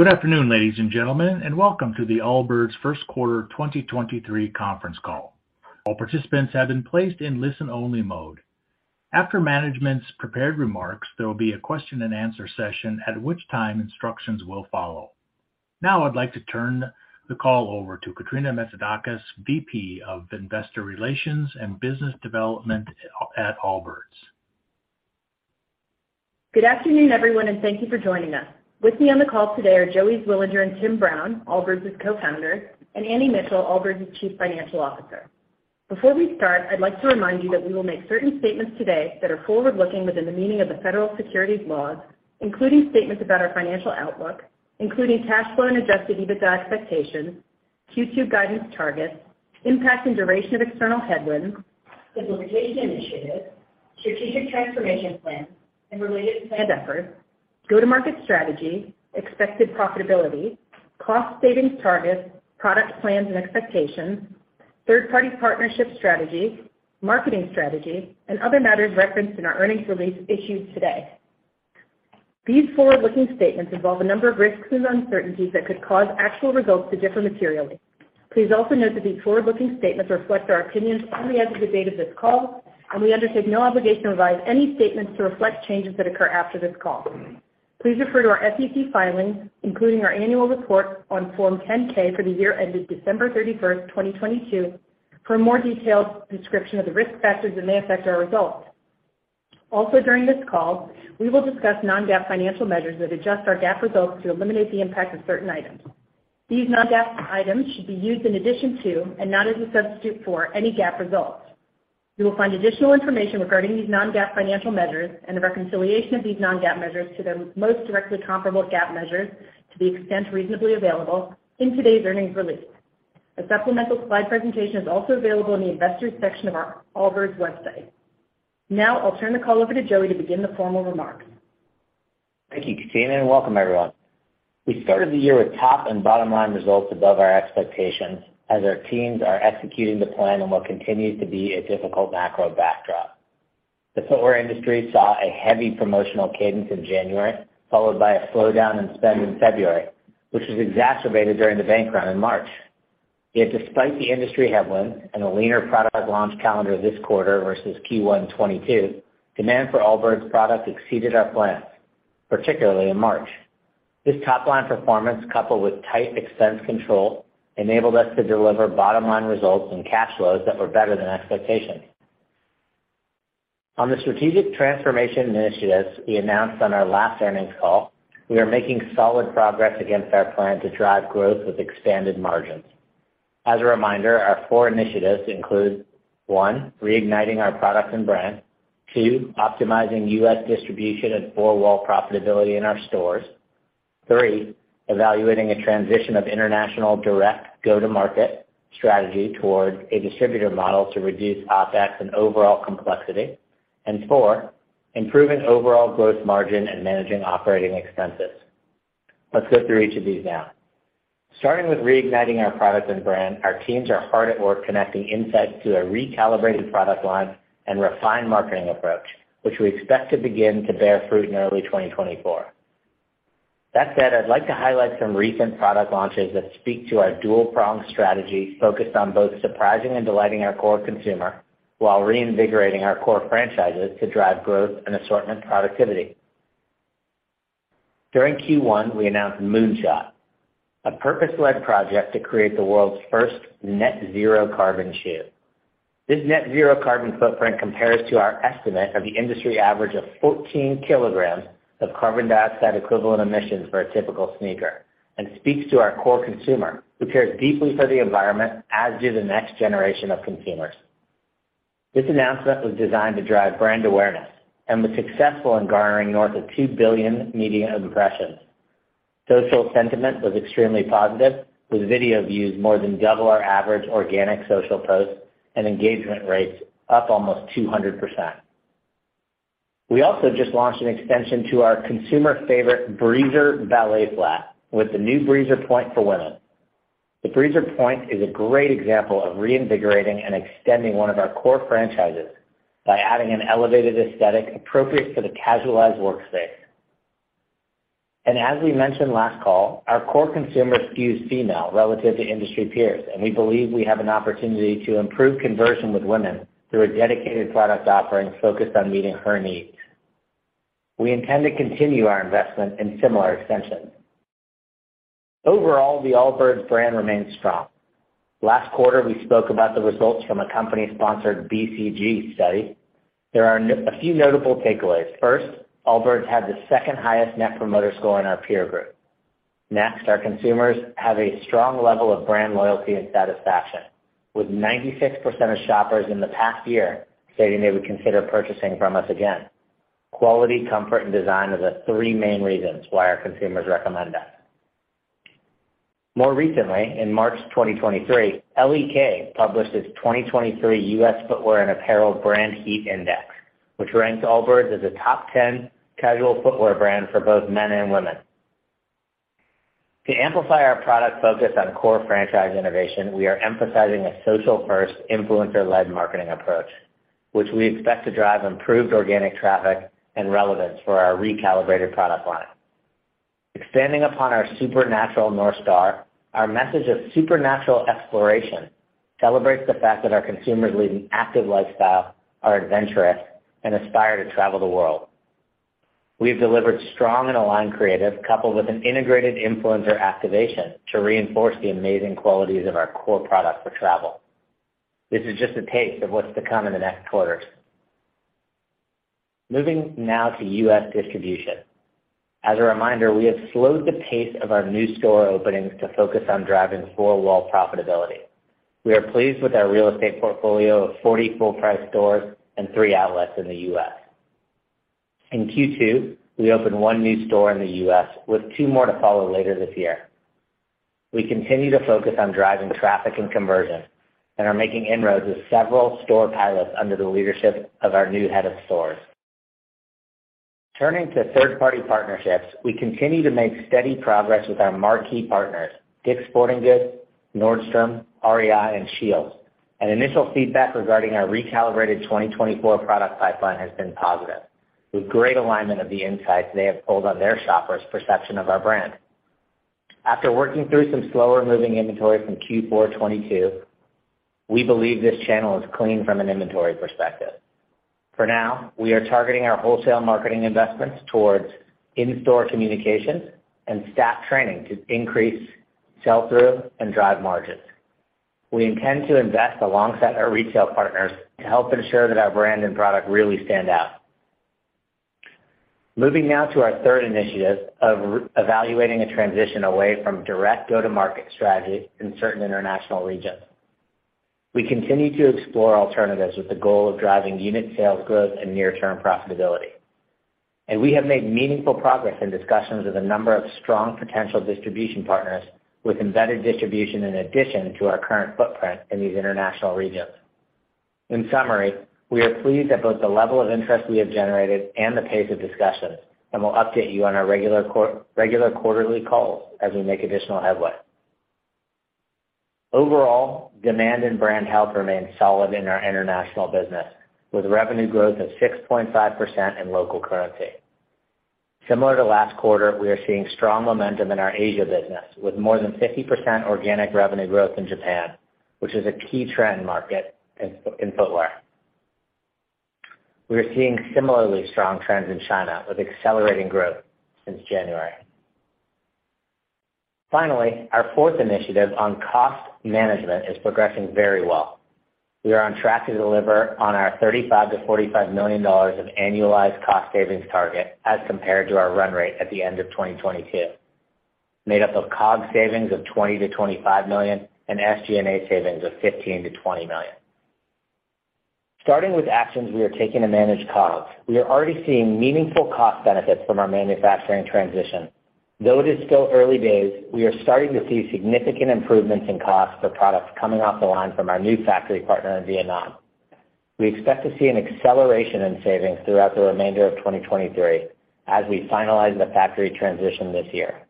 Good afternoon, ladies and gentlemen, welcome to the Allbirds' 1st quarter 2023 conference call. All participants have been placed in listen-only mode. After management's prepared remarks, there will be a question-and-answer session, at which time instructions will follow. I'd like to turn the call over to Katina Metzidakis, VP of Investor Relations and Business Development at Allbirds. Good afternoon, everyone, and thank you for joining us. With me on the call today are Joey Zwillinger and Tim Brown, Allbirds' cofounders, and Annie Mitchell, Allbirds' Chief Financial Officer. Before we start, I'd like to remind you that we will make certain statements today that are forward-looking within the meaning of the federal securities laws, including statements about our financial outlook, including cash flow and adjusted EBITDA expectations, Q2 guidance targets, impact and duration of external headwinds, simplification initiatives, strategic transformation plans and related planned efforts, go-to-market strategy, expected profitability, cost savings targets, product plans and expectations, third-party partnership strategies, marketing strategies, and other matters referenced in our earnings release issued today. These forward-looking statements involve a number of risks and uncertainties that could cause actual results to differ materially. Please also note that these forward-looking statements reflect our opinions only as of the date of this call, and we undertake no obligation to revise any statements to reflect changes that occur after this call. Please refer to our SEC filings, including our annual report on Form 10-K for the year ended December 31, 2022 for a more detailed description of the risk factors that may affect our results. During this call, we will discuss non-GAAP financial measures that adjust our GAAP results to eliminate the impact of certain items. These non-GAAP items should be used in addition to and not as a substitute for any GAAP results. You will find additional information regarding these non-GAAP financial measures and the reconciliation of these non-GAAP measures to their most directly comparable GAAP measures, to the extent reasonably available, in today's earnings release. A supplemental slide presentation is also available in the Investors section of our Allbirds website. I'll turn the call over to Joey to begin the formal remarks. Thank you, Katina, and welcome everyone. We started the year with top and bottom line results above our expectations as our teams are executing the plan on what continues to be a difficult macro backdrop. The footwear industry saw a heavy promotional cadence in January, followed by a slowdown in spend in February, which was exacerbated during the bank run in March. Yet despite the industry headwinds and a leaner product launch calendar this quarter versus Q1 2022, demand for Allbirds product exceeded our plans, particularly in March. This top-line performance, coupled with tight expense control, enabled us to deliver bottom-line results and cash flows that were better than expectations. On the strategic transformation initiatives we announced on our last earnings call, we are making solid progress against our plan to drive growth with expanded margins. As a reminder, our four initiatives include, 1, reigniting our product and brand. Two, optimizing U.S. distribution and four-wall profitability in our stores. Three, evaluating a transition of international direct go-to-market strategy toward a distributor model to reduce OpEx and overall complexity. Four, improving overall growth margin and managing operating expenses. Let's go through each of these now. Starting with reigniting our product and brand, our teams are hard at work connecting insights to a recalibrated product line and refined marketing approach, which we expect to begin to bear fruit in early 2024. That said, I'd like to highlight some recent product launches that speak to our dual-pronged strategy focused on both surprising and delighting our core consumer while reinvigorating our core franchises to drive growth and assortment productivity. During Q1, we announced M0.0NSHOT, a purpose-led project to create the world's first net zero carbon shoe. This net zero carbon footprint compares to our estimate of the industry average of 14 kilograms of carbon dioxide equivalent emissions for a typical sneaker, and speaks to our core consumer, who cares deeply for the environment, as do the next generation of consumers. This announcement was designed to drive brand awareness and was successful in garnering north of 2 billion media impressions. Social sentiment was extremely positive, with video views more than double our average organic social posts and engagement rates up almost 200%. We also just launched an extension to our consumer favorite Breezer ballet flat with the new Breezer Point for women. The Breezer Point is a great example of reinvigorating and extending one of our core franchises by adding an elevated aesthetic appropriate for the casualized workspace. As we mentioned last call, our core consumer skews female relative to industry peers, and we believe we have an opportunity to improve conversion with women through a dedicated product offering focused on meeting her needs. We intend to continue our investment in similar extensions. Overall, the Allbirds brand remains strong. Last quarter, we spoke about the results from a company-sponsored BCG study. There are a few notable takeaways. First, Allbirds had the second highest Net Promoter Score in our peer group. Next, our consumers have a strong level of brand loyalty and satisfaction, with 96% of shoppers in the past year stating they would consider purchasing from us again. Quality, comfort, and design are the three main reasons why our consumers recommend us. More recently, in March 2023, L.E.K. published its 2023 U.S. footwear and apparel Brand Heat Index, which ranks Allbirds as a top 10 casual footwear brand for both men and women. To amplify our product focus on core franchise innovation, we are emphasizing a social-first, influencer-led marketing approach. Which we expect to drive improved organic traffic and relevance for our recalibrated product line. Expanding upon our supernatural North Star, our message of supernatural exploration celebrates the fact that our consumers lead an active lifestyle, are adventurous, and aspire to travel the world. We've delivered strong and aligned creative, coupled with an integrated influencer activation to reinforce the amazing qualities of our core product for travel. This is just a taste of what's to come in the next quarters. Moving now to U.S. distribution. As a reminder, we have slowed the pace of our new store openings to focus on driving four-wall profitability. We are pleased with our real estate portfolio of 40 full-price stores and three outlets in the U.S. In Q2, we opened 1 new store in the U.S., with two more to follow later this year. We continue to focus on driving traffic and conversion and are making inroads with several store pilots under the leadership of our new head of stores. Turning to third-party partnerships, we continue to make steady progress with our marquee partners, Sporting Goods, Nordstrom, REI, and SCHEELS. Initial feedback regarding our recalibrated 2024 product pipeline has been positive, with great alignment of the insights they have pulled on their shoppers' perception of our brand. After working through some slower-moving inventory from Q4 '22, we believe this channel is clean from an inventory perspective. For now, we are targeting our wholesale marketing investments towards in-store communications and staff training to increase sell-through and drive margins. We intend to invest alongside our retail partners to help ensure that our brand and product really stand out. Moving now to our third initiative of evaluating a transition away from direct go-to-market strategy in certain international regions. We continue to explore alternatives with the goal of driving unit sales growth and near-term profitability. We have made meaningful progress in discussions with a number of strong potential distribution partners with embedded distribution in addition to our current footprint in these international regions. In summary, we are pleased at both the level of interest we have generated and the pace of discussions, and we'll update you on our regular quarterly calls as we make additional headway. Overall, demand and brand health remain solid in our international business, with revenue growth of 6.5% in local currency. Similar to last quarter, we are seeing strong momentum in our Asia business, with more than 50% organic revenue growth in Japan, which is a key trend market in footwear. We are seeing similarly strong trends in China, with accelerating growth since January. Our fourth initiative on cost management is progressing very well. We are on track to deliver on our $35 million-$45 million of annualized cost savings target as compared to our run rate at the end of 2022, made up of COG savings of 20 million-25 million and SG&A savings of 15 million-20 million. Starting with actions we are taking to manage COGS, we are already seeing meaningful cost benefits from our manufacturing transition. Though it is still early days, we are starting to see significant improvements in costs for products coming off the line from our new factory partner in Vietnam. We expect to see an acceleration in savings throughout the remainder of 2023 as we finalize the factory transition this year.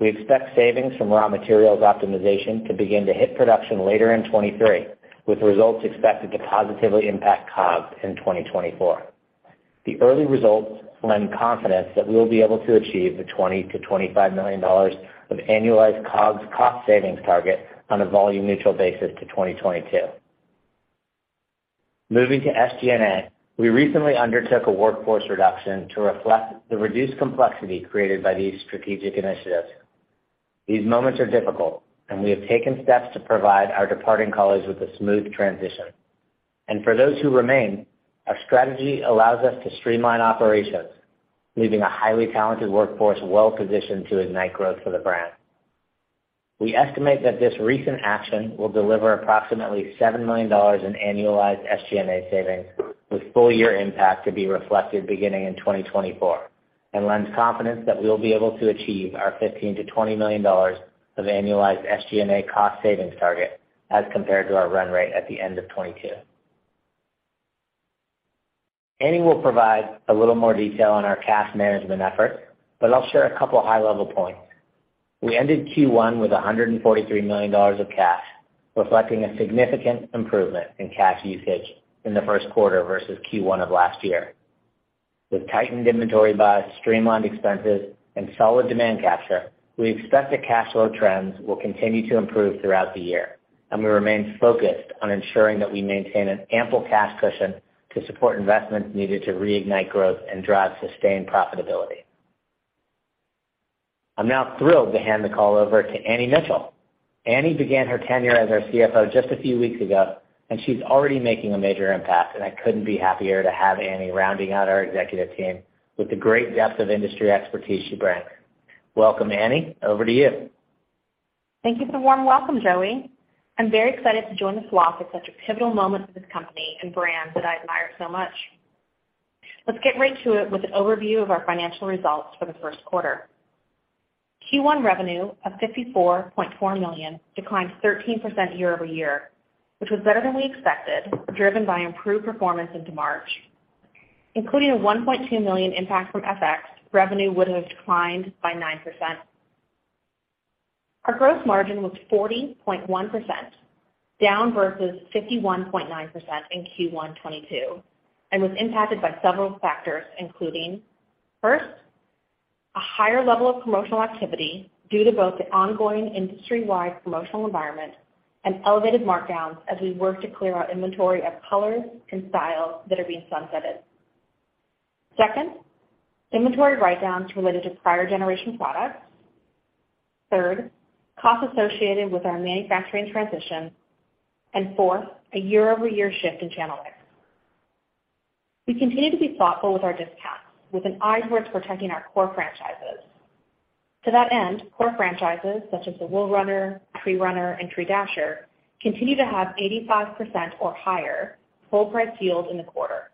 We expect savings from raw materials optimization to begin to hit production later in 2023, with results expected to positively impact COGS in 2024. The early results lend confidence that we will be able to achieve the $20 million-$25 million of annualized COGS cost savings target on a volume neutral basis to 2022. Moving to SG&A, we recently undertook a workforce reduction to reflect the reduced complexity created by these strategic initiatives. These moments are difficult, and we have taken steps to provide our departing colleagues with a smooth transition. For those who remain, our strategy allows us to streamline operations, leaving a highly talented workforce well positioned to ignite growth for the brand. We estimate that this recent action will deliver approximately $7 million in annualized SG&A savings, with full year impact to be reflected beginning in 2024, and lends confidence that we will be able to achieve our $15 million-$20 million of annualized SG&A cost savings target as compared to our run rate at the end of 2022. Annie will provide a little more detail on our cash management efforts, but I'll share a couple high-level points. We ended Q1 with $143 million of cash, reflecting a significant improvement in cash usage in the first quarter versus Q1 of last year. With tightened inventory buys, streamlined expenses, and solid demand capture, we expect that cash flow trends will continue to improve throughout the year, and we remain focused on ensuring that we maintain an ample cash cushion to support investments needed to reignite growth and drive sustained profitability. I'm now thrilled to hand the call over to Annie Mitchell. Annie began her tenure as our CFO just a few weeks ago, and she's already making a major impact, and I couldn't be happier to have Annie rounding out our executive team with the great depth of industry expertise she brings. Welcome, Annie. Over to you. Thank you for the warm welcome, Joey. I'm very excited to join the flock at such a pivotal moment for this company and brand that I admire so much. Let's get right to it with an overview of our financial results for the first quarter. Q1 revenue of 54.4 million declined 13% year-over-year, which was better than we expected, driven by improved performance into March. Including a 1.2 million impact from FX, revenue would have declined by 9%. Our gross margin was 40.1%, down versus 51.9% in Q1 2022, and was impacted by several factors, including, first, a higher level of promotional activity due to both the ongoing industry-wide promotional environment and elevated markdowns as we work to clear our inventory of colors and styles that are being sunsetted. Second, inventory write-downs related to prior generation products. Third, costs associated with our manufacturing transition. Fourth, a year-over-year shift in channel mix. We continue to be thoughtful with our discounts, with an eye towards protecting our core franchises. To that end, core franchises such as the Wool Runner, Tree Runner, and Tree Dasher continue to have 85% or higher full price yield in the quarter.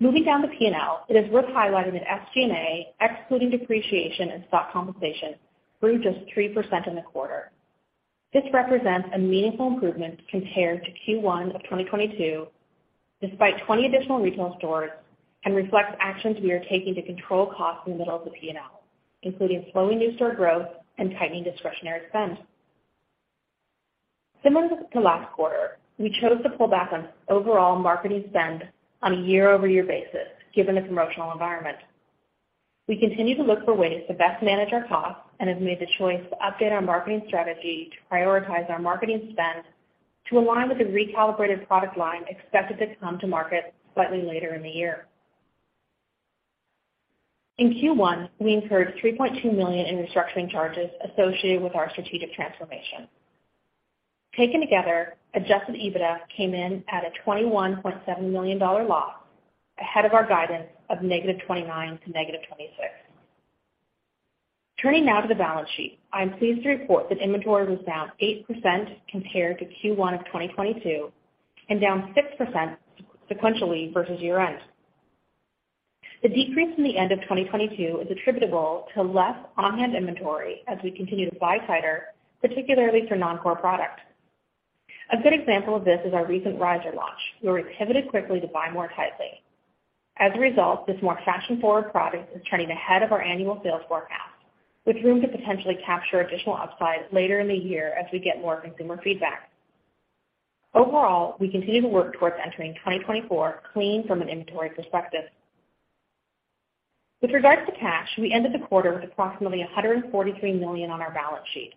Moving down the P&L, it is worth highlighting that SG&A, excluding depreciation and stock compensation, grew just 3% in the quarter. This represents a meaningful improvement compared to Q1 of 2022, despite 20 additional retail stores, and reflects actions we are taking to control costs in the middle of the P&L, including slowing new store growth and tightening discretionary spend. Similar to last quarter, we chose to pull back on overall marketing spend on a year-over-year basis, given the promotional environment. We continue to look for ways to best manage our costs, have made the choice to update our marketing strategy to prioritize our marketing spend to align with the recalibrated product line expected to come to market slightly later in the year. In Q1, we incurred 3.2 million in restructuring charges associated with our strategic transformation. Taken together, adjusted EBITDA came in at a $21.7 million loss, ahead of our guidance of -29 million to -26 million. Turning now to the balance sheet. I'm pleased to report that inventory was down 8% compared to Q1 of 2022, and down 6% sequentially versus year-end. The decrease from the end of 2022 is attributable to less on-hand inventory as we continue to buy tighter, particularly for non-core products. A good example of this is our recent Riser launch. We're pivoted quickly to buy more tightly. As a result, this more fashion-forward product is trending ahead of our annual sales forecast, with room to potentially capture additional upside later in the year as we get more consumer feedback. Overall, we continue to work towards entering 2024 clean from an inventory perspective. With regards to cash, we ended the quarter with approximately 143 million on our balance sheet.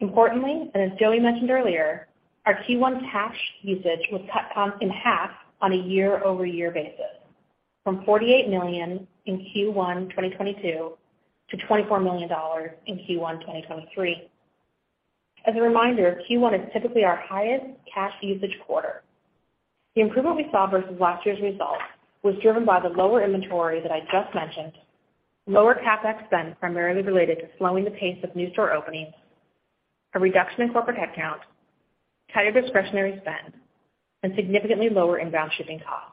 Importantly, and as Joey mentioned earlier, our Q1 cash usage was cut cost in half on a year-over-year basis from $48 million in Q1 2022-$24 million in Q1 2023. As a reminder, Q1 is typically our highest cash usage quarter. The improvement we saw versus last year's result was driven by the lower inventory that I just mentioned, lower CapEx spend primarily related to slowing the pace of new store openings, a reduction in corporate headcount, tighter discretionary spend, and significantly lower inbound shipping costs,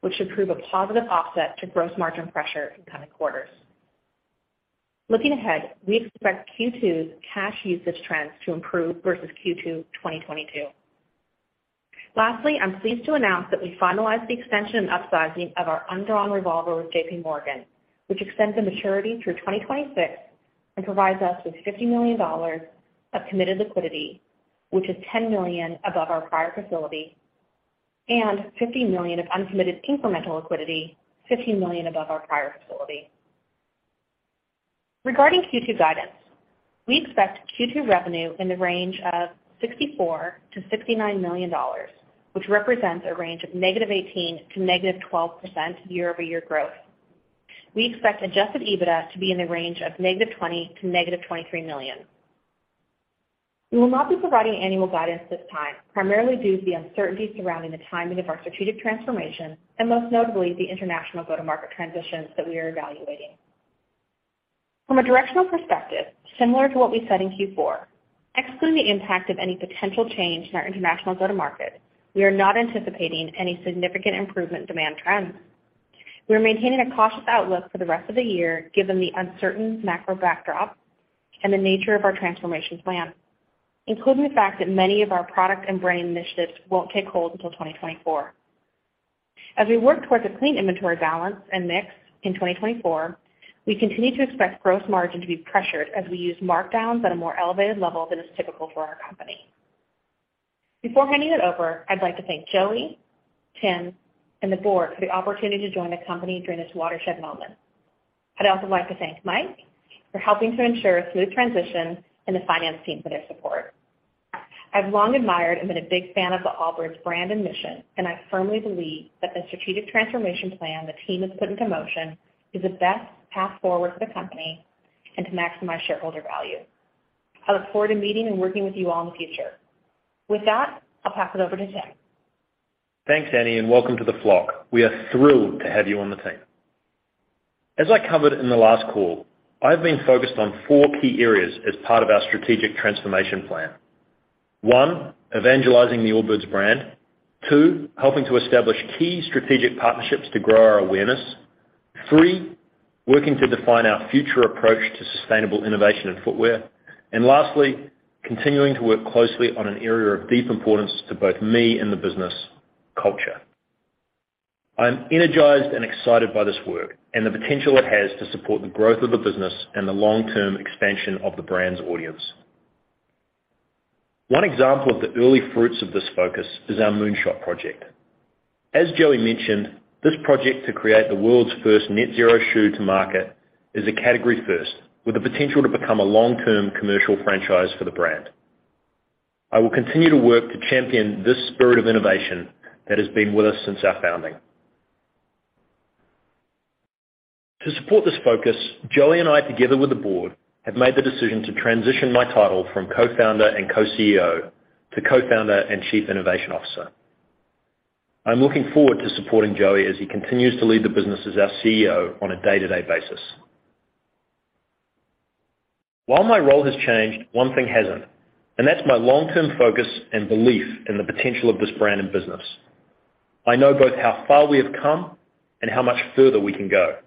which should prove a positive offset to gross margin pressure in coming quarters. Looking ahead, we expect Q2's cash usage trends to improve versus Q2 2022. Lastly, I'm pleased to announce that we finalized the extension and upsizing of our undrawn revolver with J.P. Morgan, which extends the maturity through 2026 and provides us with $50 million of committed liquidity, which is 10 million above our prior facility, and 50 million of uncommitted incremental liquidity, 50 million above our prior facility. Regarding Q2 guidance, we expect Q2 revenue in the range of $64 million-$69 million, which represents a range of -18% to -12% year-over-year growth. We expect adjusted EBITDA to be in the range of -20 million to -23 million. We will not be providing annual guidance at this time, primarily due to the uncertainty surrounding the timing of our strategic transformation and most notably, the international go-to-market transitions that we are evaluating. From a directional perspective, similar to what we said in Q4, excluding the impact of any potential change in our international go-to-market, we are not anticipating any significant improvement in demand trends. We are maintaining a cautious outlook for the rest of the year, given the uncertain macro backdrop and the nature of our transformation plan, including the fact that many of our product and brand initiatives won't take hold until 2024. As we work towards a clean inventory balance and mix in 2024, we continue to expect gross margin to be pressured as we use markdowns at a more elevated level than is typical for our company. Before handing it over, I'd like to thank Joey, Tim, and the board for the opportunity to join the company during this watershed moment. I'd also like to thank Mike for helping to ensure a smooth transition, and the finance team for their support. I've long admired and been a big fan of the Allbirds brand and mission. I firmly believe that the strategic transformation plan the team has put into motion is the best path forward for the company and to maximize shareholder value. I look forward to meeting and working with you all in the future. With that, I'll pass it over to Tim. Thanks, Annie, and welcome to the flock. We are thrilled to have you on the team. As I covered in the last call, I've been focused on four key areas as part of our strategic transformation plan. One, evangelizing the Allbirds brand. Two, helping to establish key strategic partnerships to grow our awareness. Three, working to define our future approach to sustainable innovation in footwear. Lastly, continuing to work closely on an area of deep importance to both me and the business: culture. I'm energized and excited by this work and the potential it has to support the growth of the business and the long-term expansion of the brand's audience. One example of the early fruits of this focus is our M0.0NSHOT project. As Joey mentioned, this project to create the world's first net zero shoe to market is a category first, with the potential to become a long-term commercial franchise for the brand. I will continue to work to champion this spirit of innovation that has been with us since our founding. To support this focus, Joey and I, together with the board, have made the decision to transition my title from co-founder and co-CEO to co-founder and chief innovation officer. I'm looking forward to supporting Joey as he continues to lead the business as our CEO on a day-to-day basis. While my role has changed, one thing hasn't, and that's my long-term focus and belief in the potential of this brand and business. I know both how far we have come and how much further we can go.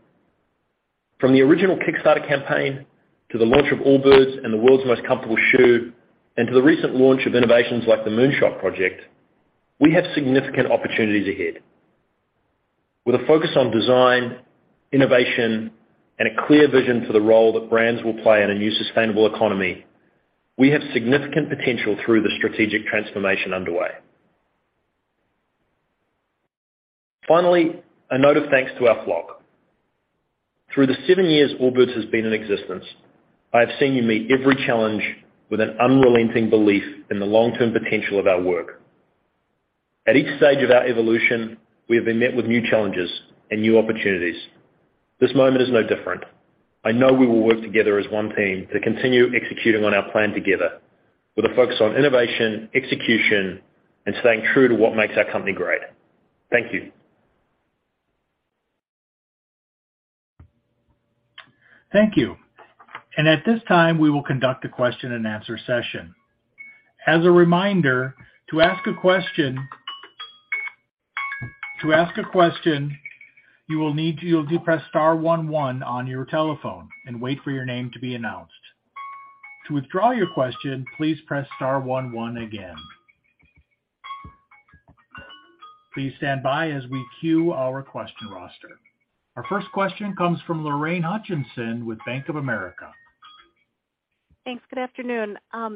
From the original Kickstarter campaign to the launch of Allbirds and the world's most comfortable shoe, to the recent launch of innovations like the M0.0NSHOT project, we have significant opportunities ahead. With a focus on design, innovation, and a clear vision for the role that brands will play in a new sustainable economy, we have significant potential through the strategic transformation underway. Finally, a note of thanks to our flock. Through the seven years Allbirds has been in existence, I have seen you meet every challenge with an unrelenting belief in the long-term potential of our work. At each stage of our evolution, we have been met with new challenges and new opportunities. This moment is no different. I know we will work together as one team to continue executing on our plan together with a focus on innovation, execution, and staying true to what makes our company great. Thank you. Thank you. At this time, we will conduct a question and answer session. As a reminder, to ask a question, you will need to press star 11 on your telephone and wait for your name to be announced. To withdraw your question, please press star 11 again. Please stand by as we queue our question roster. Our first question comes from Lorraine Hutchinson with Bank of America. Thanks. Good afternoon. I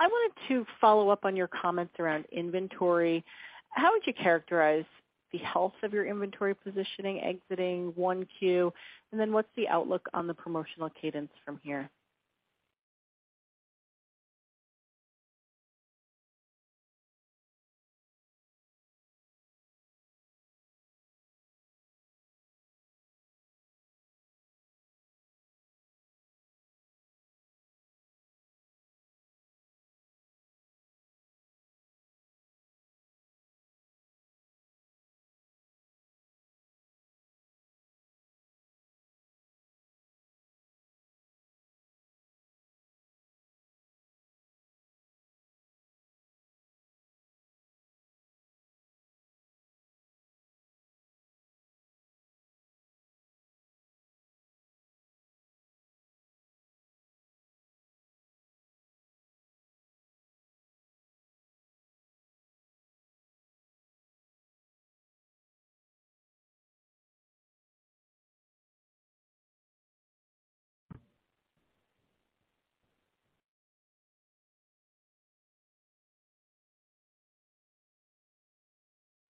wanted to follow up on your comments around inventory. How would you characterize the health of your inventory positioning exiting 1Q? Then what's the outlook on the promotional cadence from here?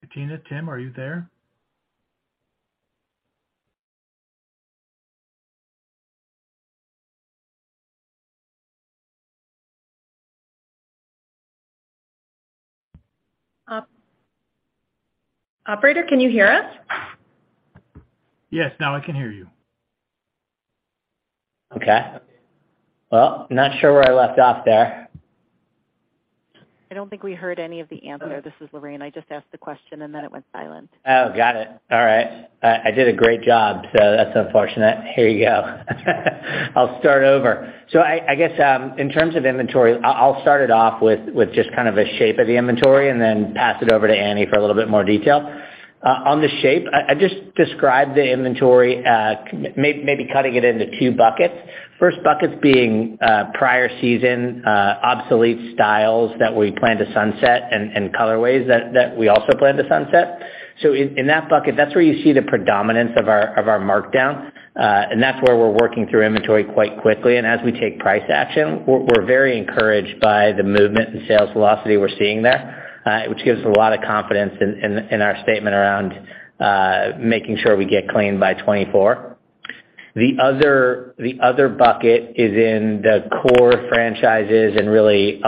Katina, Tim, are you there? operator, can you hear us? Yes, now I can hear you. Okay. Well, not sure where I left off there. I don't think we heard any of the answer. This is Lorraine. I just asked the question, and then it went silent. Got it. All right. I did a great job, that's unfortunate. Here you go. I'll start over. I guess, in terms of inventory, I'll start it off with just kind of a shape of the inventory and then pass it over to Annie for a little bit more detail. On the shape, I just described the inventory, maybe cutting it into two buckets. First bucket being, prior season, obsolete styles that we plan to sunset and colorways that we also plan to sunset. In that bucket, that's where you see the predominance of our markdown, and that's where we're working through inventory quite quickly. As we take price action, we're very encouraged by the movement and sales velocity we're seeing there, which gives a lot of confidence in our statement around making sure we get clean by 2024. The other bucket is in the core franchises and really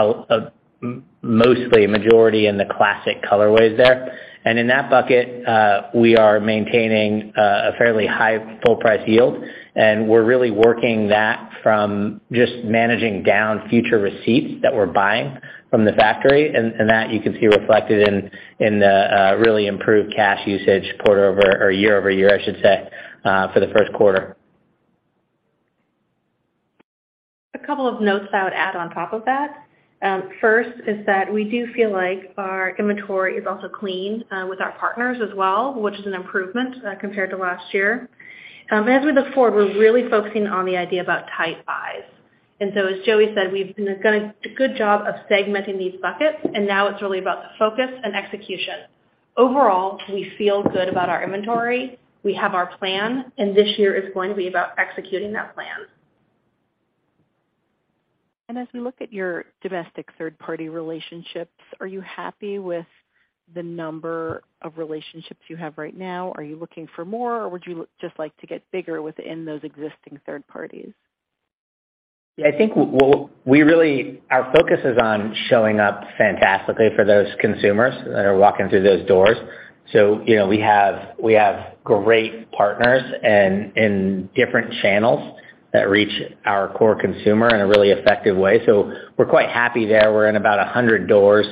mostly majority in the classic colorways there. In that bucket, we are maintaining a fairly high full price yield, and we're really working that from just managing down future receipts that we're buying from the factory, and that you can see reflected in the really improved cash usage quarter over or year-over-year, I should say, for the first quarter. A couple of notes that I would add on top of that. First is that we do feel like our inventory is also clean with our partners as well, which is an improvement compared to last year. As we look forward, we're really focusing on the idea about tight buys. As Joey said, we've been done a good job of segmenting these buckets, and now it's really about the focus and execution. Overall, we feel good about our inventory. We have our plan, and this year is going to be about executing that plan. As we look at your domestic third-party relationships, are you happy with the number of relationships you have right now? Are you looking for more, or would you just like to get bigger within those existing third parties? Yeah, I think our focus is on showing up fantastically for those consumers that are walking through those doors. You know, we have great partners and in different channels that reach our core consumer in a really effective way. We're quite happy there. We're in about 100 doors,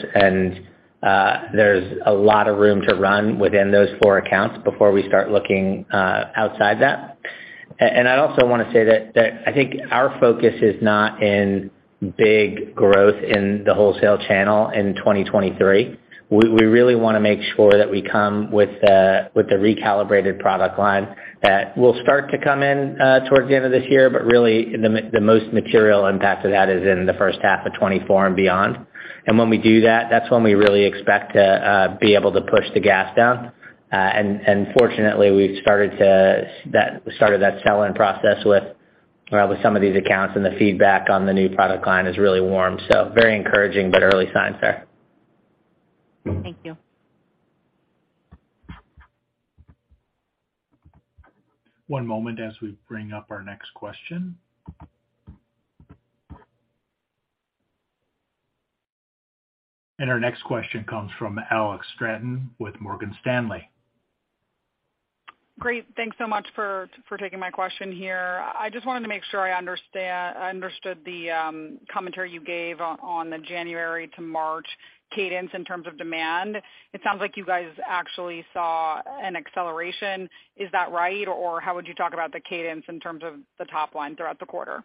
there's a lot of room to run within those four accounts before we start looking outside that. I'd also wanna say that I think our focus is not in big growth in the wholesale channel in 2023. We really wanna make sure that we come with the recalibrated product line that will start to come in towards the end of this year, really the most material impact of that is in the first half of 2024 and beyond. When we do that's when we really expect to be able to push the gas down. Fortunately, that started the sell-in process with some of these accounts, and the feedback on the new product line is really warm. Very encouraging, but early signs there. Thank you. One moment as we bring up our next question. Our next question comes from Alex Straton with Morgan Stanley. Great. Thanks so much for taking my question here. I just wanted to make sure I understood the commentary you gave on the January to March cadence in terms of demand. It sounds like you guys actually saw an acceleration. Is that right? How would you talk about the cadence in terms of the top line throughout the quarter?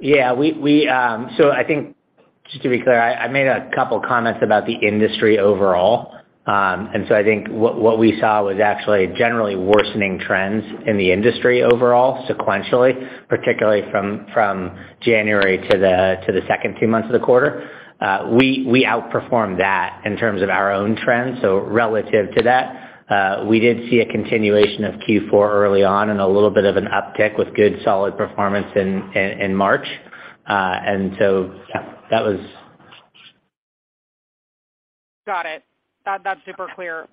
Yeah. We, I think just to be clear, I made a couple comments about the industry overall. I think what we saw was actually generally worsening trends in the industry overall, sequentially, particularly from January to the second two months of the quarter. We outperformed that in terms of our own trends. Relative to that, we did see a continuation of Q4 early on and a little bit of an uptick with good, solid performance in March. Yeah, that was. Got it. That's super clear.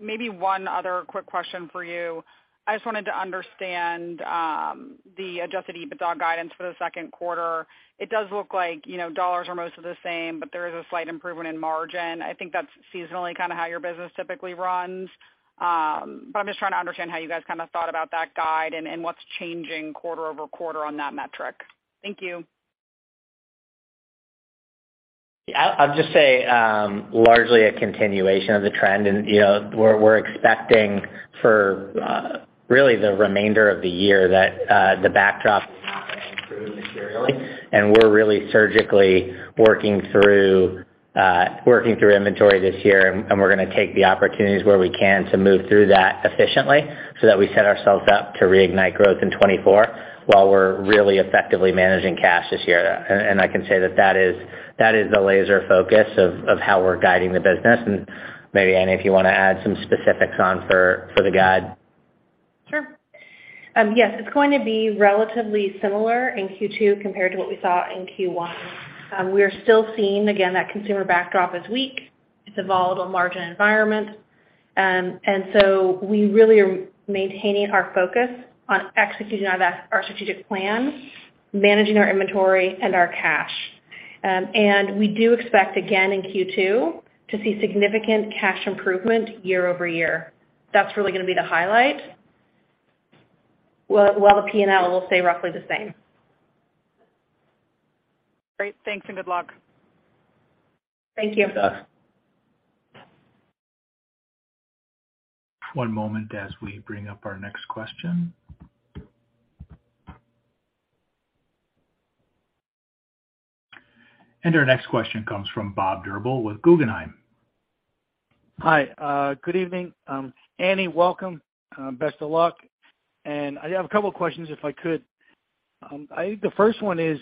Maybe one other quick question for you. I just wanted to understand the adjusted EBITDA guidance for the second quarter. It does look like, you know, dollars are mostly the same, but there is a slight improvement in margin. I think that's seasonally kinda how your business typically runs. I'm just trying to understand how you guys kinda thought about that guide and what's changing quarter-over-quarter on that metric. Thank you. Yeah. I'll just say, largely a continuation of the trend. You know, we're expecting for really the remainder of the year that the backdrop is not gonna improve materially. We're really surgically working through working through inventory this year, and we're gonna take the opportunities where we can to move through that efficiently so that we set ourselves up to reignite growth in 2024 while we're really effectively managing cash this year. I can say that that is the laser focus of how we're guiding the business. Maybe, Annie, if you wanna add some specifics on for the guide. Sure. Yes, it's going to be relatively similar in Q2 compared to what we saw in Q1. We are still seeing, again, that consumer backdrop is weak. It's a volatile margin environment. We really are maintaining our focus on executing our strategic plan, managing our inventory and our cash. We do expect again in Q2 to see significant cash improvement year-over-year. That's really gonna be the highlight while the P&L will stay roughly the same. Great. Thanks and good luck. Thank you. Yes. One moment as we bring up our next question. Our next question comes from Bob Drbul with Guggenheim. Hi. Good evening. Annie, welcome. Best of luck. I have a couple of questions, if I could. I think the first one is,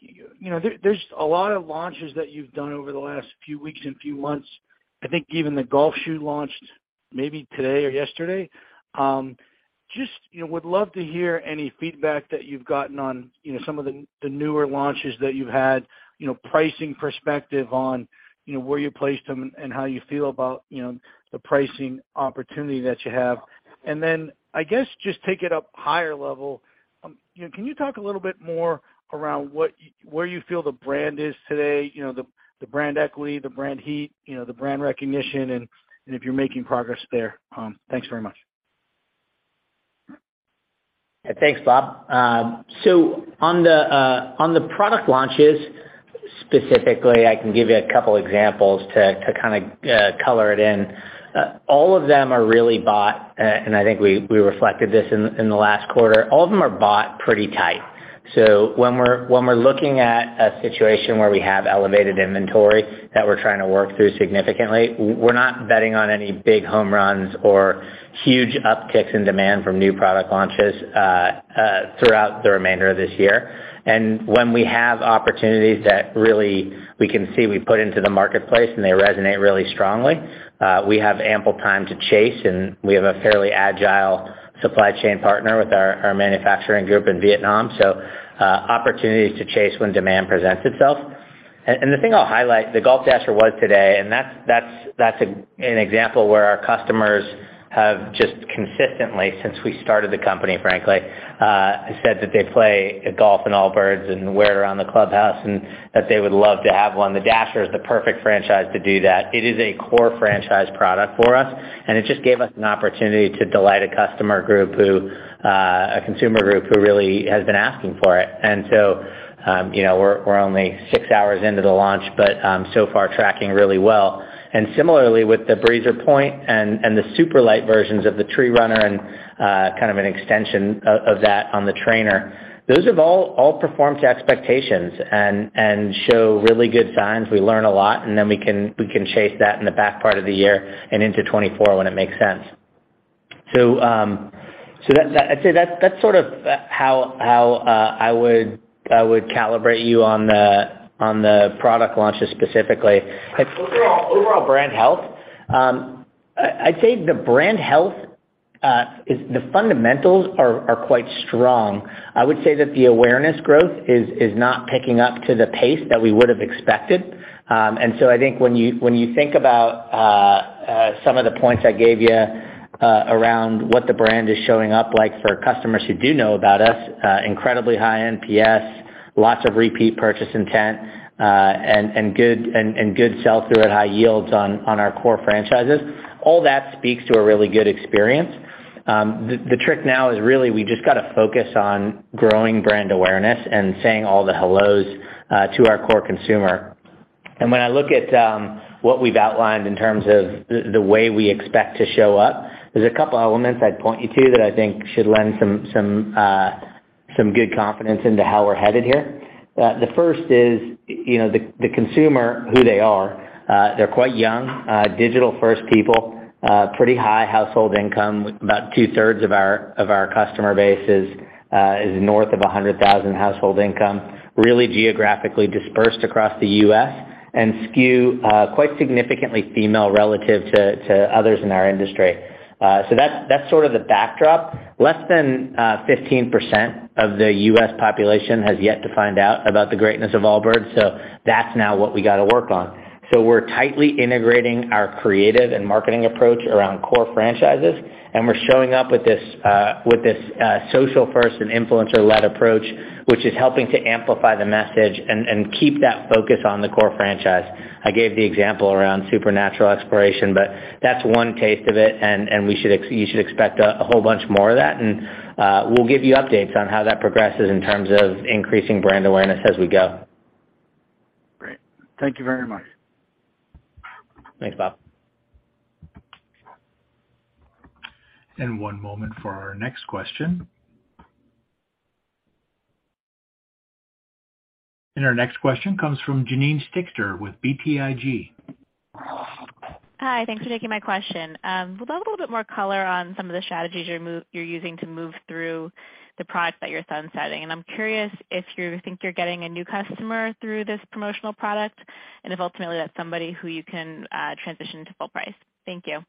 you know, there's a lot of launches that you've done over the last few weeks and few months. I think even the golf shoe launched maybe today or yesterday. Just, you know, would love to hear any feedback that you've gotten on, you know, some of the newer launches that you've had, you know, pricing perspective on, you know, where you placed them and how you feel about, you know, the pricing opportunity that you have. Then I guess just take it up higher level. You know, can you talk a little bit more around what where you feel the brand is today? You know, the brand equity, the Brand Heat, you know, the brand recognition, and if you're making progress there. Thanks very much. Thanks, Bob. On the product launches, specifically, I can give you a couple examples to kinda color it in. All of them are really bought, and I think we reflected this in the last quarter. All of them are bought pretty tight. When we're looking at a situation where we have elevated inventory that we're trying to work through significantly, we're not betting on any big home runs or huge upticks in demand from new product launches throughout the remainder of this year. When we have opportunities that really we can see we put into the marketplace and they resonate really strongly, we have ample time to chase, and we have a fairly agile supply chain partner with our manufacturing group in Vietnam. Opportunities to chase when demand presents itself. The thing I'll highlight, the Golf Dasher was today. That's an example where our customers have just consistently, since we started the company, frankly, said that they play golf in Allbirds and wear it around the clubhouse, and that they would love to have one. The Dasher is the perfect franchise to do that. It is a core franchise product for us, and it just gave us an opportunity to delight a customer group who a consumer group who really has been asking for it. you know, we're only six hours into the launch, but so far tracking really well. Similarly, with the Breezer Point and the SuperLight versions of the Tree Runner and kind of an extension of that on the Trainer, those have all performed to expectations and show really good signs. We learn a lot, then we can chase that in the back part of the year and into 2024 when it makes sense. I'd say that's sort of how I would calibrate you on the product launches specifically. Overall brand health, I'd say the brand health is the fundamentals are quite strong. I would say that the awareness growth is not picking up to the pace that we would have expected. I think when you, when you think about some of the points I gave you around what the brand is showing up like for customers who do know about us, incredibly high NPS, lots of repeat purchase intent, and good sell-through at high yields on our core franchises, all that speaks to a really good experience. The trick now is really we just gotta focus on growing brand awareness and saying all the hellos to our core consumer. When I look at what we've outlined in terms of the way we expect to show up, there's a couple elements I'd point you to that I think should lend some good confidence into how we're headed here. The first is, you know, the consumer, who they are, they're quite young, digital first people, pretty high household income. About two-thirds of our customer base is north of 100,000 household income, really geographically dispersed across the U.S. and skew quite significantly female relative to others in our industry. That's sort of the backdrop. Less than 15% of the U.S. population has yet to find out about the greatness of Allbirds. That's now what we gotta work on. We're tightly integrating our creative and marketing approach around core franchises, and we're showing up with this, with this social first and influencer-led approach, which is helping to amplify the message and keep that focus on the core franchise. I gave the example around supernatural exploration, but that's one taste of it, and you should expect a whole bunch more of that. We'll give you updates on how that progresses in terms of increasing brand awareness as we go. Great. Thank you very much. Thanks, Bob. One moment for our next question. Our next question comes from Janine Stichter with BTIG. Hi, thank you for taking my question. Would love a little bit more color on some of the strategies you're using to move through the products that you're sunsetting. I'm curious if you think you're getting a new customer through this promotional product and if ultimately that's somebody who you can transition to full price. Thank you.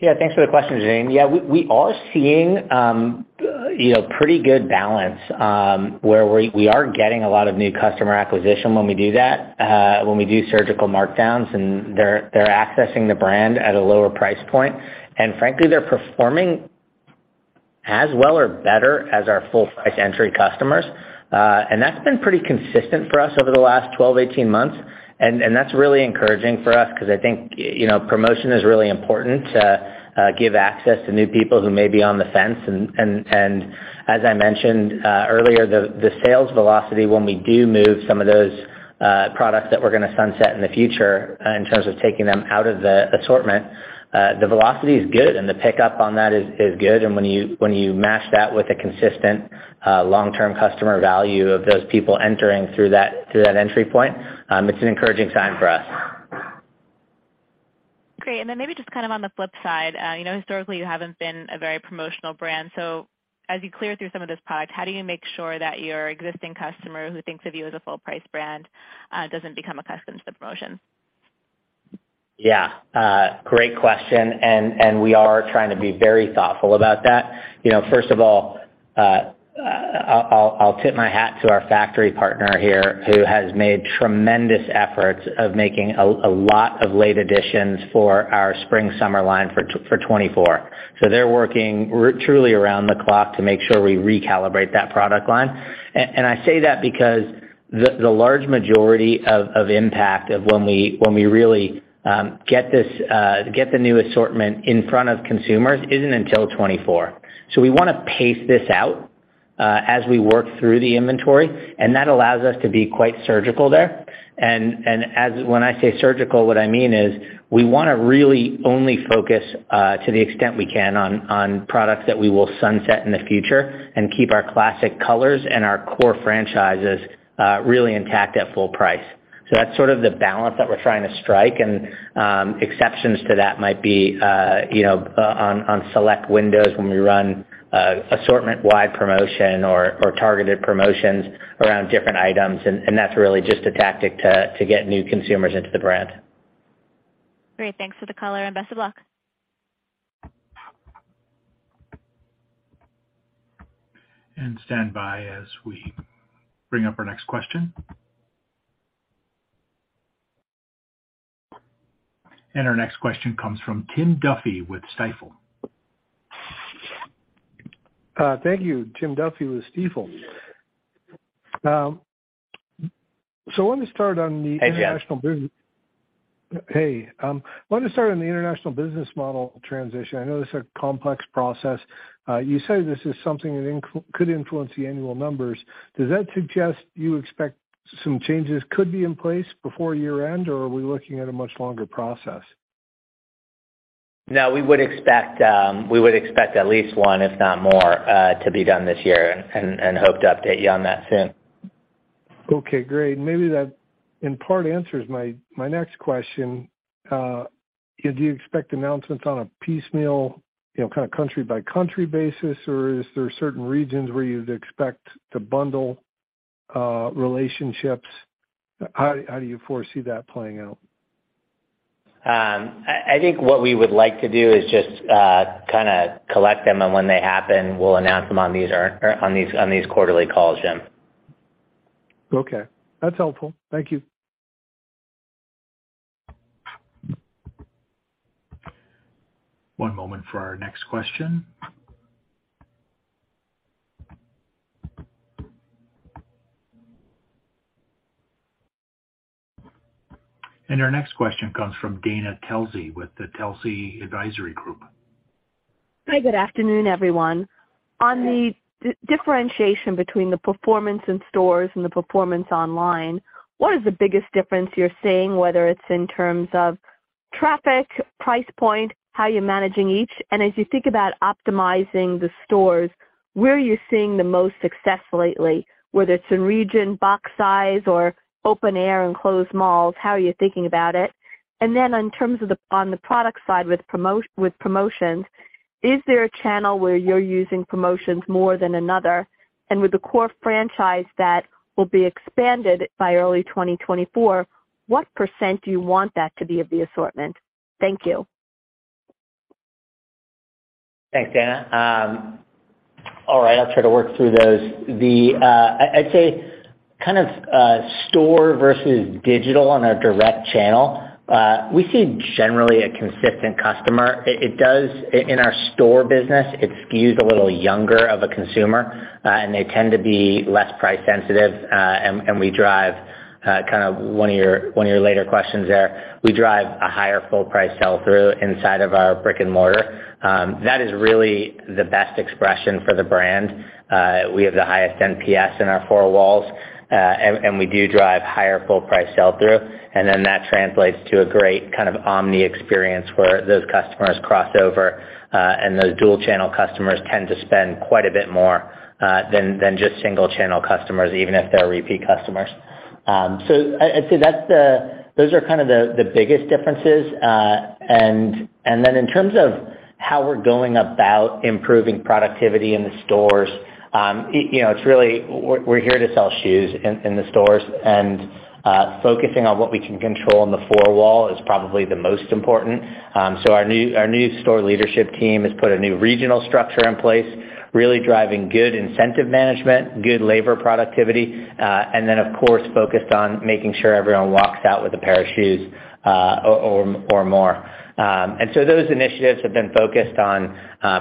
Thanks for the question, Janine. We are seeing, you know, pretty good balance where we are getting a lot of new customer acquisition when we do that, when we do surgical markdowns, and they're accessing the brand at a lower price point. Frankly, they're performing as well or better as our full price entry customers. That's been pretty consistent for us over the last 12-18 months. That's really encouraging for us because I think, you know, promotion is really important to give access to new people who may be on the fence. As I mentioned, earlier, the sales velocity, when we do move some of those products that we're gonna sunset in the future in terms of taking them out of the assortment, the velocity is good and the pickup on that is good. When you match that with a consistent, long-term customer value of those people entering through that entry point, it's an encouraging sign for us. Great. Maybe just kind of on the flip side. You know, historically you haven't been a very promotional brand. As you clear through some of this product, how do you make sure that your existing customer who thinks of you as a full price brand, doesn't become accustomed to the promotion? Yeah. Great question, we are trying to be very thoughtful about that. You know, first of all, I'll tip my hat to our factory partner here who has made tremendous efforts of making a lot of late additions for our spring/summer line for 2024. They're working truly around the clock to make sure we recalibrate that product line. I say that because the large majority of impact of when we really get this get the new assortment in front of consumers isn't until 2024. We wanna pace this out as we work through the inventory, and that allows us to be quite surgical there. When I say surgical, what I mean is we wanna really only focus to the extent we can on products that we will sunset in the future and keep our classic colors and our core franchises really intact at full price. That's sort of the balance that we're trying to strike, and exceptions to that might be, you know, on select windows when we run assortment-wide promotion or targeted promotions around different items. That's really just a tactic to get new consumers into the brand. Great. Thanks for the color, and best of luck. stand by as we bring up our next question. Our next question comes from Jim Duffy with Stifel. Thank you. Jim Duffy with Stifel. I want to start. Hey, Tim. International business. I want to start on the international business model transition. I know this is a complex process. You say this is something that could influence the annual numbers. Does that suggest you expect some changes could be in place before year-end, or are we looking at a much longer process? No, we would expect at least one, if not more, to be done this year and hope to update you on that soon. Okay, great. Maybe that in part answers my next question. Do you expect announcements on a piecemeal, you know, kind of country by country basis, or is there certain regions where you'd expect to bundle, relationships? How do you foresee that playing out? I think what we would like to do is just, kinda collect them, and when they happen, we'll announce them on these or on these quarterly calls, Tim. Okay. That's helpful. Thank you. One moment for our next question. Our next question comes from Dana Telsey with the Telsey Advisory Group. Hi, good afternoon, everyone. On the differentiation between the performance in stores and the performance online, what is the biggest difference you're seeing, whether it's in terms of traffic, price point, how you're managing each? As you think about optimizing the stores, where are you seeing the most success lately, whether it's in region, box size or open air, enclosed malls? How are you thinking about it? In terms of on the product side with promotions, is there a channel where you're using promotions more than another? With the core franchise that will be expanded by early 2024, what % do you want that to be of the assortment? Thank you. Thanks, Dana. All right, I'll try to work through those. I'd say kind of store versus digital on our direct channel, we see generally a consistent customer. In our store business, it skews a little younger of a consumer, and they tend to be less price sensitive, and we drive kind of one of your later questions there. We drive a higher full price sell-through inside of our brick and mortar. That is really the best expression for the brand. We have the highest NPS in our four walls, and we do drive higher full price sell-through, and then that translates to a great kind of omni experience where those customers cross over, and those dual channel customers tend to spend quite a bit more than just single channel customers, even if they're repeat customers. So I'd say that's those are kind of the biggest differences. Then in terms of how we're going about improving productivity in the stores, you know, it's really we're here to sell shoes in the stores and focusing on what we can control in the four wall is probably the most important. Our new store leadership team has put a new regional structure in place, really driving good incentive management, good labor productivity, and then of course, focused on making sure everyone walks out with a pair of shoes or more. Those initiatives have been focused on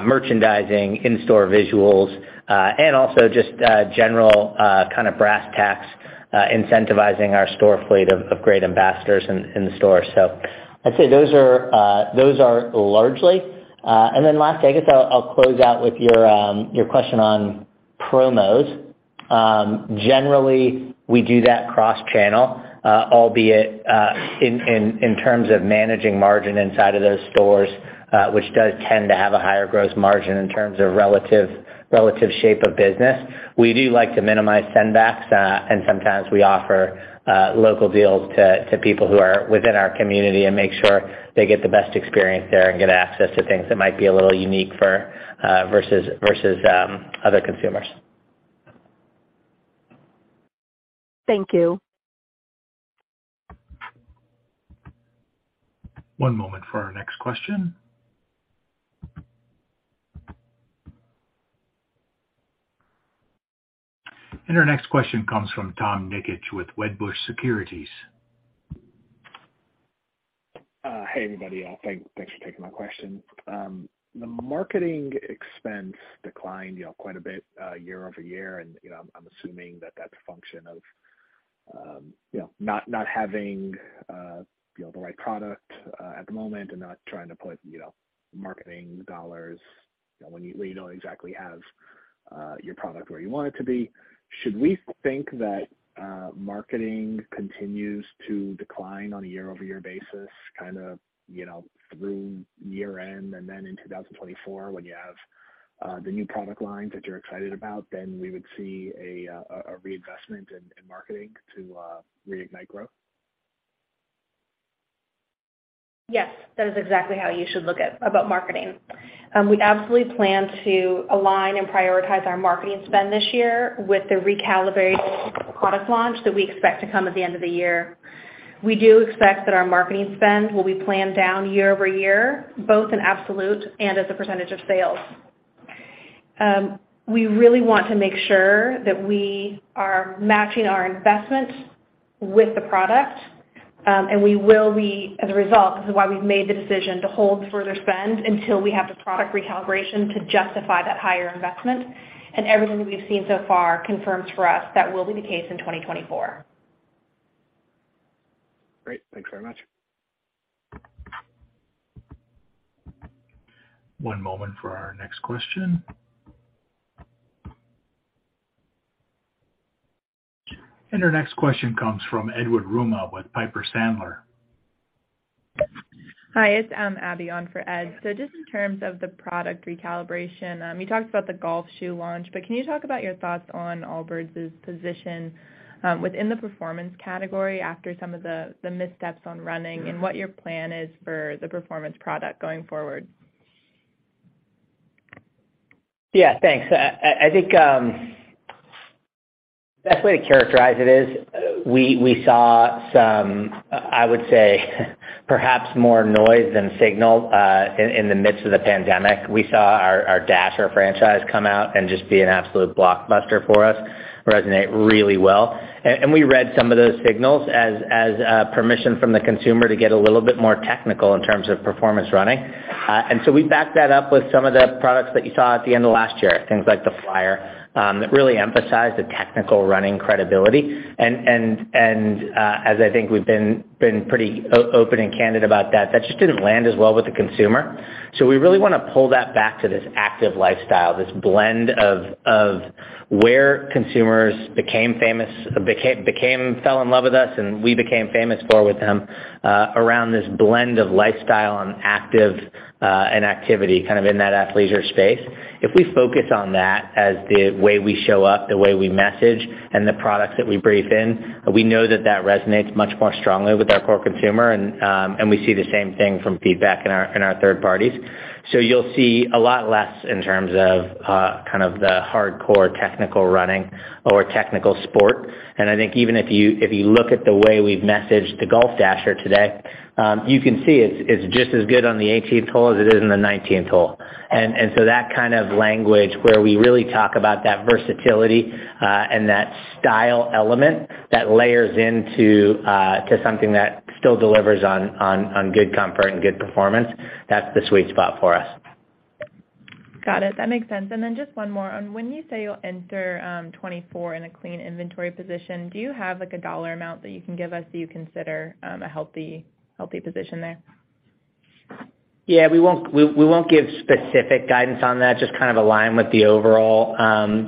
merchandising, in-store visuals, and also just general kind of brass tacks, incentivizing our store fleet of great ambassadors in the store. I'd say those are largely. Lastly, I guess I'll close out with your question on promos. Generally we do that cross-channel, albeit in terms of managing margin inside of those stores, which does tend to have a higher gross margin in terms of relative shape of business. We do like to minimize sendbacks, and sometimes we offer local deals to people who are within our community and make sure they get the best experience there and get access to things that might be a little unique for versus other consumers. Thank you. One moment for our next question. Our next question comes from Tom Nikic with Wedbush Securities. Hey, everybody. Thanks for taking my question. The marketing expense declined, you know, quite a bit, year-over-year, and, you know, I'm assuming that that's a function of, you know, not having, you know, the right product at the moment and not trying to put, you know, marketing dollars when you don't exactly have, your product where you want it to be. Should we think that marketing continues to decline on a year-over-year basis, kind of, you know, through year-end and then in 2024 when you have, the new product lines that you're excited about, then we would see a reinvestment in marketing to reignite growth? Yes. That is exactly how you should look at about marketing. We absolutely plan to align and prioritize our marketing spend this year with the recalibrated product launch that we expect to come at the end of the year. We do expect that our marketing spend will be planned down year-over-year, both in absolute and as a percentage of sales. We really want to make sure that we are matching our investments with the product, and we will be as a result. This is why we've made the decision to hold further spend until we have the product recalibration to justify that higher investment. Everything that we've seen so far confirms for us that will be the case in 2024. Great. Thanks very much. One moment for our next question. Our next question comes from Edward Yruma with Piper Sandler. Hi, it's Abby on for Ed. Just in terms of the product recalibration, you talked about the golf shoe launch, but can you talk about your thoughts on Allbirds' position, within the performance category after some of the missteps on running and what your plan is for the performance product going forward? Yeah, thanks. I think the best way to characterize it is we saw some, I would say perhaps more noise than signal in the midst of the pandemic. We saw our Dasher franchise come out and just be an absolute blockbuster for us, resonate really well. We read some of those signals as permission from the consumer to get a little bit more technical in terms of performance running. We backed that up with some of the products that you saw at the end of last year, things like the Flyer, that really emphasized the technical running credibility. As I think we've been pretty open and candid about that just didn't land as well with the consumer. We really wanna pull that back to this active lifestyle, this blend of where consumers fell in love with us and we became famous for with them, around this blend of lifestyle and active, and activity kind of in that athleisure space. If we focus on that as the way we show up, the way we message and the products that we bring in, we know that that resonates much more strongly with our core consumer. We see the same thing from feedback in our third parties. You'll see a lot less in terms of kind of the hardcore technical running or technical sport. I think even if you look at the way we've messaged the Golf Dasher today, you can see it's just as good on the 18th hole as it is in the 19th hole. That kind of language where we really talk about that versatility, and that style element that layers into something that still delivers on good comfort and good performance, that's the sweet spot for us. Got it. That makes sense. Just one more. When you say you'll enter 2024 in a clean inventory position, do you have, like, a dollar amount that you can give us that you consider a healthy position there? Yeah. We won't, we won't give specific guidance on that, just kind of align with the overall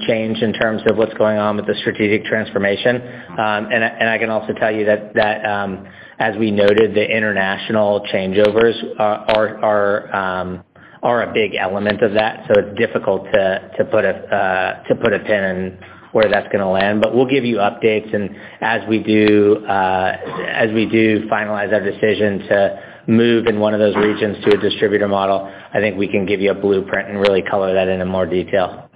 change in terms of what's going on with the strategic transformation. And I can also tell you that, as we noted, the international changeovers are a big element of that, so it's difficult to put a pin in where that's gonna land. We'll give you updates, and as we do finalize our decision to move in one of those regions to a distributor model, I think we can give you a blueprint and really color that in more detail.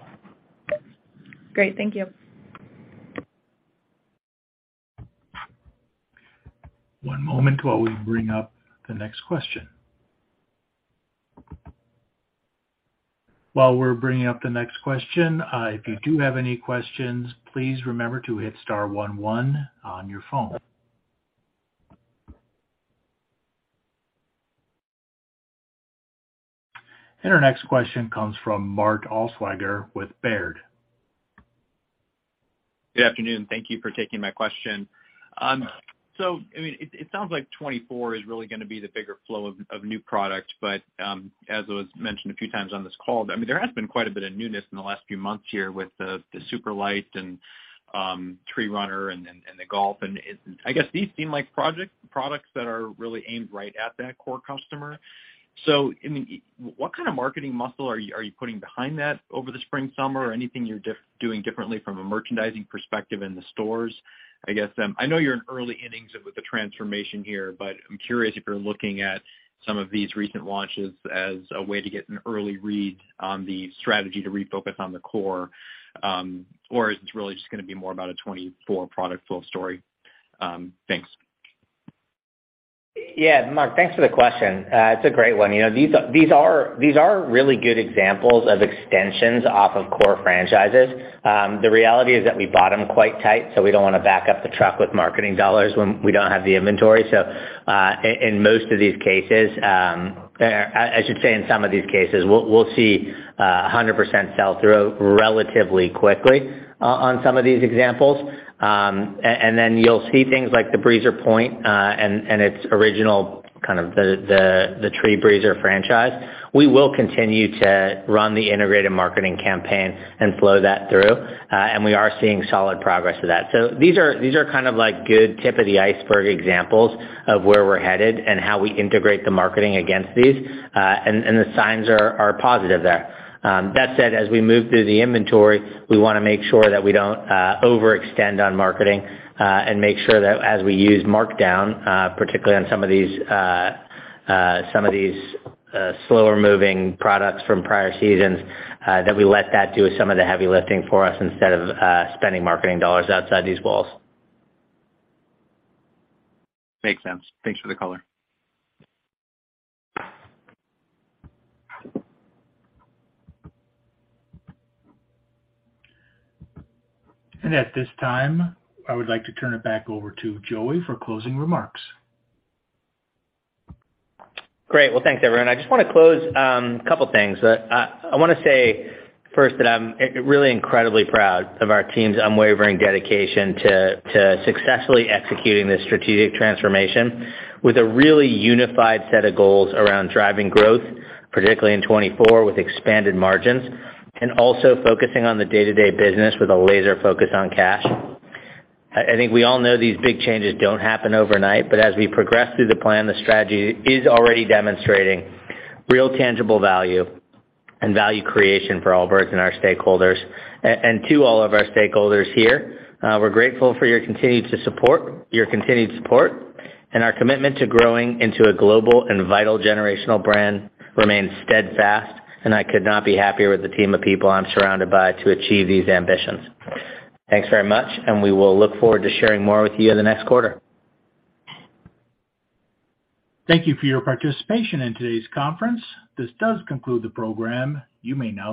Great. Thank you. One moment while we bring up the next question. While we're bringing up the next question, if you do have any questions, please remember to hit star one one on your phone. Our next question comes from Mark Altschwager with Baird. Good afternoon. Thank you for taking my question. I mean, it sounds like 2024 is really gonna be the bigger flow of new product, but, as was mentioned a few times on this call, I mean, there has been quite a bit of newness in the last few months here with the SuperLight and Tree Runner and the Golf. I guess these seem like products that are really aimed right at that core customer. I mean, what kind of marketing muscle are you putting behind that over the spring, summer? Anything you're doing differently from a merchandising perspective in the stores? I guess, I know you're in early innings with the transformation here, but I'm curious if you're looking at some of these recent launches as a way to get an early read on the strategy to refocus on the core, or is this really just gonna be more about a 24 product full story? Thanks. Yeah. Mark, thanks for the question. It's a great one. You know, these are really good examples of extensions off of core franchises. The reality is that we bought them quite tight, we don't wanna back up the truck with marketing dollars when we don't have the inventory. In most of these cases, I should say in some of these cases, we'll see 100% sell-through relatively quickly on some of these examples. Then you'll see things like the Breezer Point and its original kind of the Tree Breezer franchise. We will continue to run the integrated marketing campaign and flow that through, and we are seeing solid progress to that. These are kind of like good tip of the iceberg examples of where we're headed and how we integrate the marketing against these, and the signs are positive there. That said, as we move through the inventory, we wanna make sure that we don't overextend on marketing and make sure that as we use markdown particularly on some of these slower moving products from prior seasons, that we let that do some of the heavy lifting for us instead of spending marketing dollars outside these walls. Makes sense. Thanks for the color. At this time, I would like to turn it back over to Joey for closing remarks. Great. Well, thanks, everyone. I just wanna close a couple things. I wanna say first that I'm really incredibly proud of our team's unwavering dedication to successfully executing this strategic transformation with a really unified set of goals around driving growth, particularly in 2024 with expanded margins, and also focusing on the day-to-day business with a laser focus on cash. I think we all know these big changes don't happen overnight, but as we progress through the plan, the strategy is already demonstrating real tangible value and value creation for Allbirds and our stakeholders. To all of our stakeholders here, we're grateful for your continued support. Our commitment to growing into a global and vital generational brand remains steadfast, and I could not be happier with the team of people I'm surrounded by to achieve these ambitions. Thanks very much, and we will look forward to sharing more with you the next quarter. Thank you for your participation in today's conference. This does conclude the program. You may now disconnect.